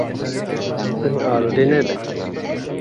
Hûn ê arode nebin.